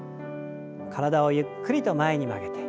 体をゆっくりと前に曲げて。